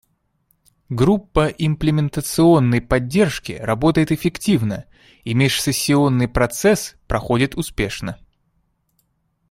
Группа имплементационной поддержки работает эффективно, и межсессионный процесс проходит успешно.